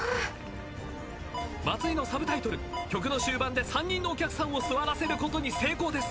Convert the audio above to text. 松井の『Ｓｕｂｔｉｔｌｅ』曲の終盤で３人のお客さんを座らせることに成功です。